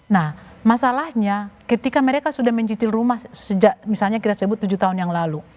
nah masalahnya ketika mereka sudah mencicil rumah sejak misalnya kita sebut tujuh tahun yang lalu